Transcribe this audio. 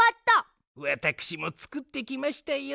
わたくしもつくってきましたよ。